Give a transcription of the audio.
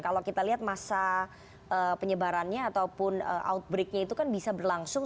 kalau kita lihat masa penyebarannya ataupun outbreaknya itu kan bisa berlangsung